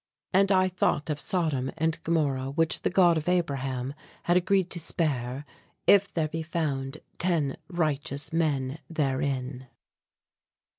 And I thought of Sodom and Gomorrah which the God of Abraham had agreed to spare if there be found ten righteous men therein.